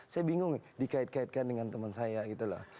saya bingung dikait kaitkan dengan teman saya